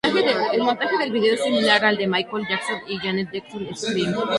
El montaje del vídeo es similar al de Michael Jackson y Janet Jackson "Scream".